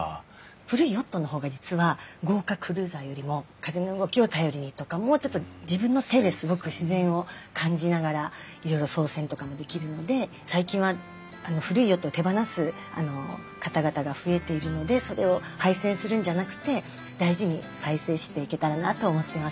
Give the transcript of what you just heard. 古いヨットの方が実は豪華クルーザーよりも風の動きを頼りにとかもうちょっと自分の手ですごく自然を感じながらいろいろ操船とかもできるので最近は古いヨットを手放す方々が増えているのでそれを廃船するんじゃなくて大事に再生していけたらなと思っています。